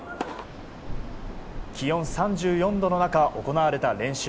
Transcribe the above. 気温３４度の中行われた練習。